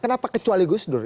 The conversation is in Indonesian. kenapa kecuali gus dur